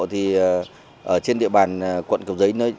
thì trên địa bàn quận cầu giấy